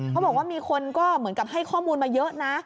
เขาบอกว่ามีคนก็เหมือนกับให้ข้อมูลมาเยอะนะ